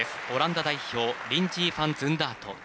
オランダ代表リンジー・ファンズンダート。